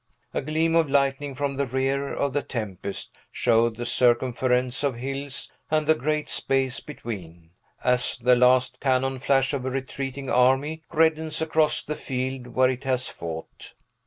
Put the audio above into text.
A gleam of lightning from the rear of the tempest showed the circumference of hills and the great space between, as the last cannon flash of a retreating army reddens across the field where it has fought.